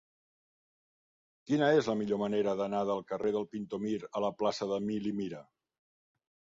Quina és la millor manera d'anar del carrer del Pintor Mir a la plaça d'Emili Mira?